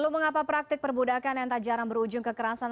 lalu mengapa praktik perbudakan yang tak jarang berujung kekerasan